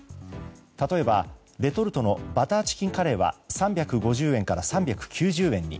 例えば、レトルトのバターチキンカレーは３５０円から３９０円に。